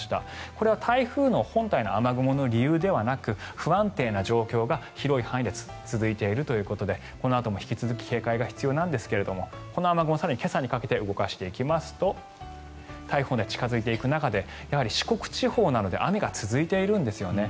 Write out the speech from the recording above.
これは台風の本体の雨雲の理由ではなく不安定な状況が広い範囲で続いているということでこのあとも引き続き警戒が必要なんですがこの雨雲、更に今朝にかけて動かしていきますと台風本体が近付いていく中でやはり四国地方などで雨が続いているんですよね。